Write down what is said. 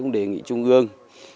đề nghị trung ương